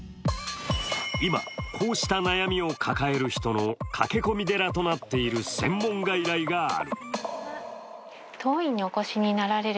今、こうした悩みを抱える人の駆け込み寺となっている専門外来がある。